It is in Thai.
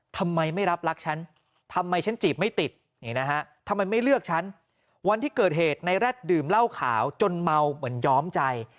ทำไมไม่รับรักฉันทำไมฉันจีบไม่ติดทำไมไม่เลือกฉันวันที่เกิดเหตุในแร็ดดื่มเหล้าขาวจนเมาเหมือนย้อมใจ